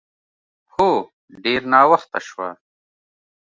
هو، ډېر ناوخته شوه.